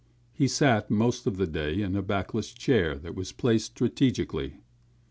He sat most of the day in a backless chair that was placed strategically.